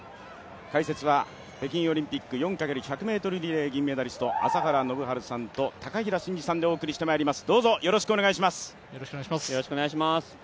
解説は北京オリンピック４×１００ｍリレー銀メダリスト朝原宣治さんと高平慎士さんでお送りしてまいります。